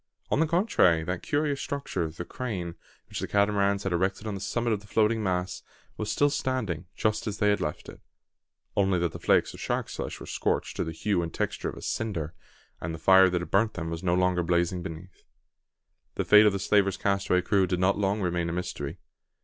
On the contrary, that curious structure, the crane, which the Catamarans had erected on the summit of the floating mass, was still standing just as they had left it; only that the flakes of shark's flesh were scorched to the hue and texture of a cinder, and the fire that had burnt them was no longer blazing beneath. The fate of the slaver's castaway crew did not long remain a mystery.